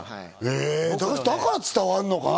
だから伝わるのかな？